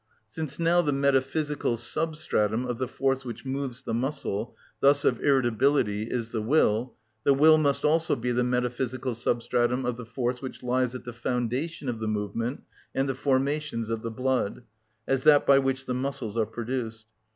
Since now the metaphysical substratum of the force which moves the muscle, thus of irritability, is the will, the will must also be the metaphysical substratum of the force which lies at the foundation of the movement and the formations of the blood, as that by which the muscles are produced.